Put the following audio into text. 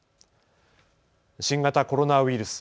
新型コロナウイルス。